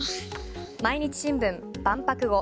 毎日新聞万博後。